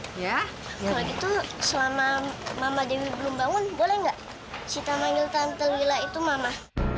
kalau gitu selama mama denny belum bangun boleh nggak sita manggil tante mila itu mama